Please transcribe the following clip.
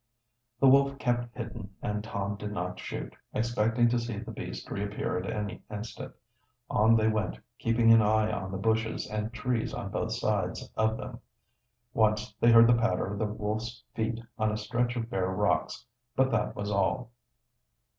The wolf kept hidden and Tom did not shoot, expecting to see the beast reappear at any instant. On they went, keeping an eye on the bushes and trees on both sides of them. Once they heard the patter of the wolf's feet on a stretch of bare rocks, but that was all.